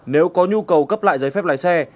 nếu có nhu cầu cấp lại giấy phép lái xe